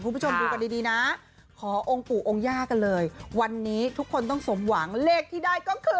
คุณผู้ชมดูกันดีดีนะขอองค์ปู่องค์ย่ากันเลยวันนี้ทุกคนต้องสมหวังเลขที่ได้ก็คือ